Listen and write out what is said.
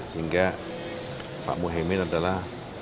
sehingga pak muhyemen adalah